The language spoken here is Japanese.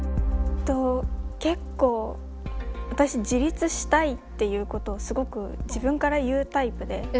結構私自立したいっていうことをすごく自分から言うタイプで。